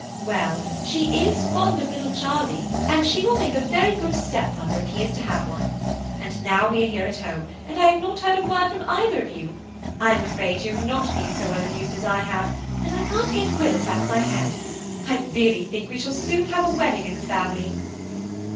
Well, she is fond of little Charlie, and she will make a good stepmother if he is to have one; and now here we are at home, and I have not heard a word from either of you. I am afraid you have not been so well amused as I have, and I can't get Willis out of my head. I really think we shall have a wedding soon in the family."